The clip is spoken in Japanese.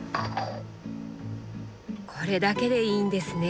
これだけでいいんですね。